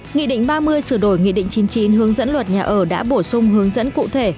nghị định ba mươi sửa đổi nghị định chín mươi chín hướng dẫn luật nhà ở đã bổ sung hướng dẫn cụ thể